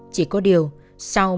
chỉ có điều sau mỗi vụ án